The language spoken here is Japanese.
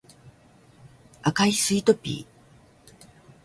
赤いスイートピー